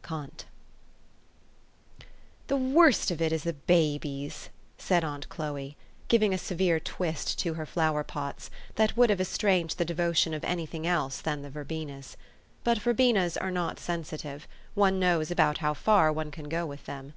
" nnHE worst of it is the babies," said aunt Chloe, J_ giving a severe twist to her flower pots, that would have estranged the devotion of any thing else than the verbenas. But verbenas are not sensitive : one knows about how far one can go with them.